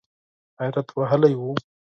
حیرت وهلی و .